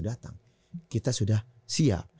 datang kita sudah siap